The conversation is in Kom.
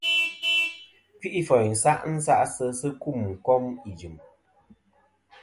Kfi'ìfòyn sa' nsa'sisɨ̀ a sɨ kum kom ijɨ̀m.